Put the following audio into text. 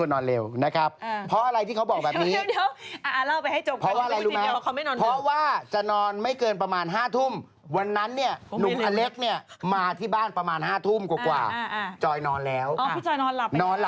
นอนหลับแล้วอีกอย่างหนึ่งน้ออดบ้านจอยเขาเสีย